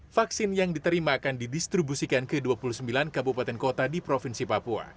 vaksin yang diterima akan didistribusikan ke dua puluh sembilan kabupaten kota di provinsi papua